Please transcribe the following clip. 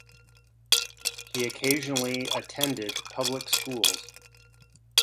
He occasionally attended public schools.